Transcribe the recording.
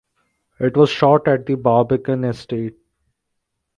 It was shot at the Barbican Estate.